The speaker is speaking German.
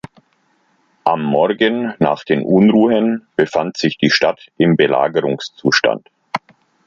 Am Morgen nach den Unruhen befand sich die Stadt im Belagerungszustand.